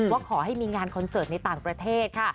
ว่าขอให้มีงานคอนเสิร์ตในต่างประเทศค่ะ